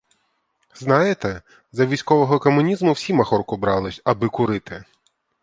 Знаєте, за військового комунізму всі махорку брали, аби курити.